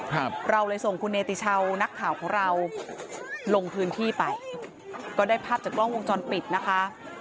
ครับเราเลยส่งคุณเนติชาวนักข่าวของเราลงพื้นที่ไปก็ได้ภาพจากกล้องวงจรปิดนะคะ